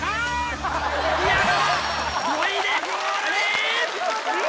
宮川５位でゴールイン！